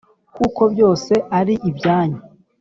kuko byose ari ibyanyu